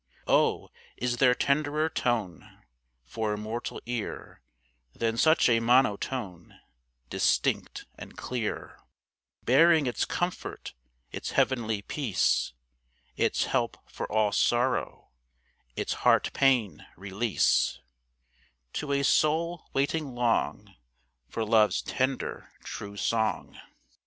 Oh, is there tenderer tone For mortal ear, Than such a monotone, Distinct and clear, Bearing its comfort, Its heavenly peace, Its help for all sorrow, Its heart pain release, To a soul waiting long For love's tender, true song?